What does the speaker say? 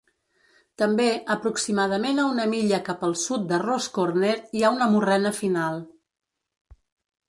També, aproximadament a una milla cap al sud del Ross's Corner hi ha una morrena final.